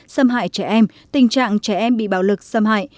xâm hại trẻ em tình trạng trẻ em bị bạo lực xâm hại